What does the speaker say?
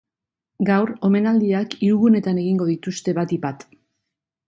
Gaur, omenaldiak hiru gunetan egingo dituzte batik bat.